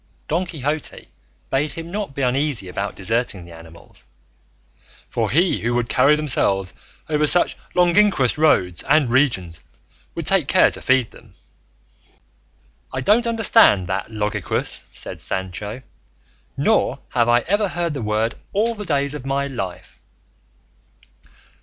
Don Quixote bade him not be uneasy about deserting the animals, "for he who would carry themselves over such longinquous roads and regions would take care to feed them." "I don't understand that logiquous," said Sancho, "nor have I ever heard the word all the days of my life."